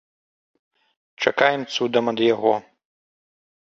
Чакаем цудам ад яго.